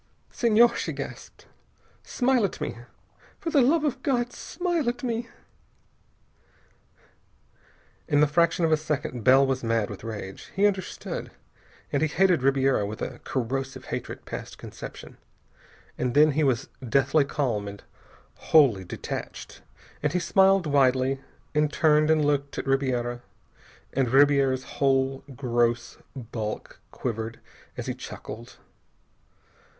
"Senhor!" she gasped. "Smile at me! For the love of God, smile at me!" In the fraction of a second, Bell was mad with rage. He understood, and he hated Ribiera with a corrosive hatred past conception. And then he was deathly calm, and wholly detached, and he smiled widely, and turned and looked at Ribiera, and Ribiera's whole gross bulk quivered as he chuckled.